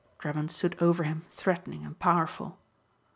Drummond stood over him threatening and powerful.